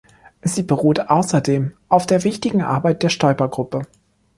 Sie beruht außerdem auf der wichtigen Arbeit der Stoiber-Gruppe.